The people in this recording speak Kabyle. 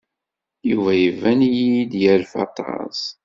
Yuba iban-iyi-d yerfa aṭas.